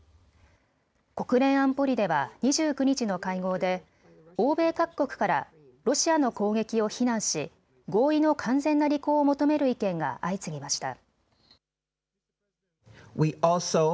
国連安保理では２９日の会合で欧米各国からロシアの攻撃を非難し合意の完全な履行を求める意見が相次ぎました。